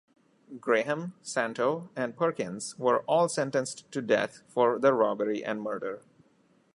Graham, Santo, and Perkins were all sentenced to death for the robbery and murder.